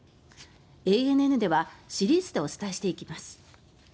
ＡＮＮではシリーズでお伝えしていきます。